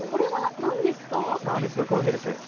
サービスのコーヒーです。